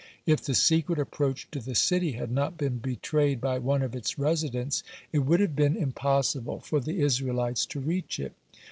If the secret approach to the city had not been betrayed by one of its residents, it would have been impossible for the Israelites to reach it.